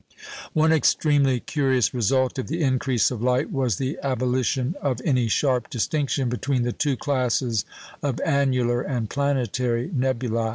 One extremely curious result of the increase of light was the abolition of any sharp distinction between the two classes of "annular" and "planetary" nebulæ.